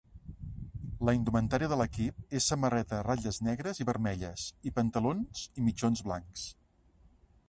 La indumentària de l'equip és samarreta de ratlles negres i vermelles, i pantalons i mitjons blancs.